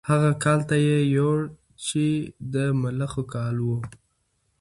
هغه کال ته یې یوړ چې د ملخو کال و.